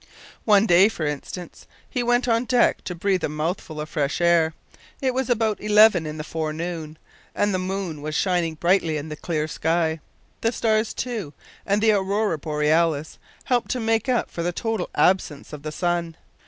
One day, for instance, he went on deck to breathe a mouthful of fresh air. It was about eleven in the forenoon, and the moon was shining brightly in the clear sky. The stars, too, and the aurora borealis, helped to make up for the total absence of the sun.